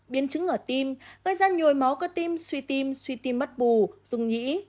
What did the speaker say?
biên chứng ở tim gây ra nhồi máu cơ tim suy tim suy tim mất bù rung nhĩ